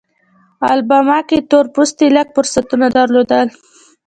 الاباما کې تور پوستي لږ فرصتونه درلودل.